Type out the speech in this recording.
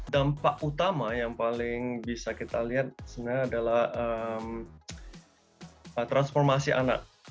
dampak utama yang paling bisa kita lihat sebenarnya adalah transformasi anak